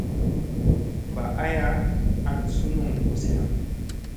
Mba aya, an sunuŋ uziya.